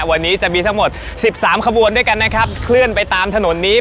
วันนี้จะมีทั้งหมดสิบสามขบวนด้วยกันนะครับเคลื่อนไปตามถนนนี้